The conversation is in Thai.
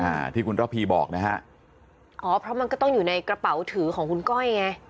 อ่าที่คุณระพีบอกนะฮะอ๋อเพราะมันก็ต้องอยู่ในกระเป๋าถือของคุณก้อยไง